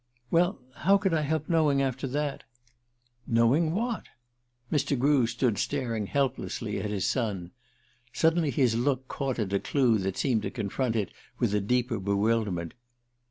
"Well how could I help knowing after that?" "Knowing what?" Mr. Grew stood staring helplessly at his son. Suddenly his look caught at a clue that seemed to confront it with a deeper bewilderment.